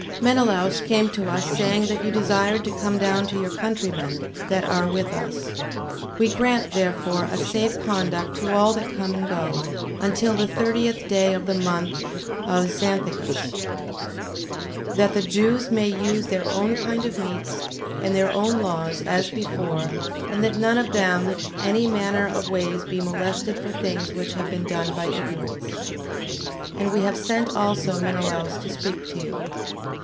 11:29. Menelaus came to us, saying that you desired to come down to your countrymen, that are with us. 11:30. We grant, therefore, a safe conduct to all that come and go, until the thirtieth day of the month of Xanthicus, 11:31. That the Jews may use their own kind of meats, and their own laws, as before: and that none of them any manner of ways be molested for things which have been done by ignorance. 11:32. And we have sent also Menelaus to speak to you.